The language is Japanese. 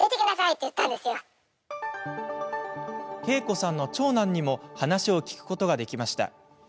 ケイコさんの長男にも話を聞くことができました。